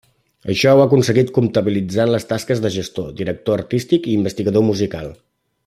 Això ho ha aconseguit compatibilitzant les tasques de gestor, director artístic i investigador musical.